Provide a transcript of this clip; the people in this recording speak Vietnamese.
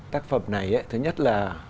tác phẩm này thứ nhất là